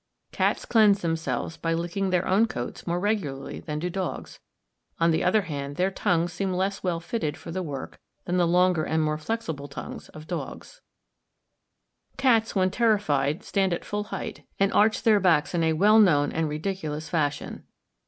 Cats cleanse themselves by licking their own coats more regularly than do dogs. On the other hand, their tongues seem less well fitted for the work than the longer and more flexible tongues of dogs. Cat Terrified at a Dog. Fig.15 Cats, when terrified, stand at full height, and arch their backs in a well known and ridiculous fashion.